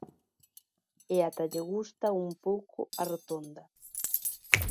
E ata lle gusta un pouco a rotonda.